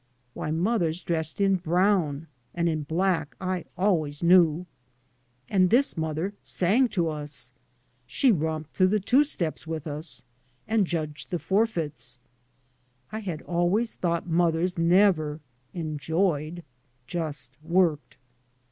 Why, mothers dressed in brown and in black, I always knew. And this mother sang to us. She romped through the two steps with us, and judged the forfeits. I had always thought mothers never " enjoyed," just worked.